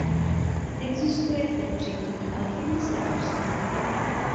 Existuje tedy překrytí alchymie s lékařství.